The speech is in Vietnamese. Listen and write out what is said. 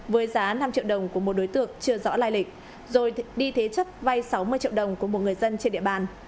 với giá năm triệu đồng của một đối tượng chưa rõ lai lịch rồi đi thế chất vay sáu mươi triệu đồng của một người dân trên địa bàn